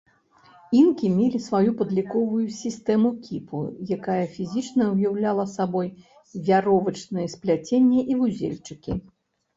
Інкі мелі сваю падліковую сістэму кіпу, якая фізічна ўяўляла сабой вяровачныя спляцення і вузельчыкі.